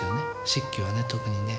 漆器はね特にね。